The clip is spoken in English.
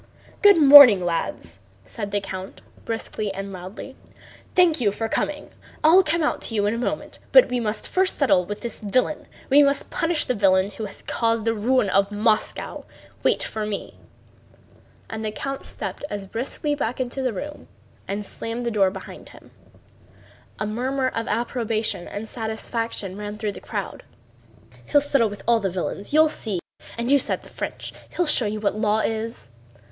"Good morning, lads!" said the count briskly and loudly. "Thank you for coming. I'll come out to you in a moment, but we must first settle with the villain. We must punish the villain who has caused the ruin of Moscow. Wait for me!" And the count stepped as briskly back into the room and slammed the door behind him. A murmur of approbation and satisfaction ran through the crowd. "He'll settle with all the villains, you'll see! And you said the French... He'll show you what law is!"